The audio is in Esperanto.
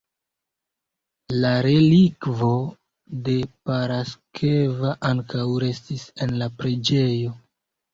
La relikvo de Paraskeva ankaŭ restis en la preĝejo.